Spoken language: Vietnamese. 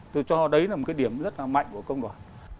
tôi cho đấy là một cái điểm rất là mạnh của công đoàn